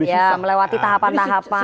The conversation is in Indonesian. ya melewati tahapan tahapan